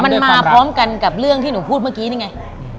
มันมาพร้อมกันกับเรื่องที่หนูพูดเมื่อกี้นี่ไง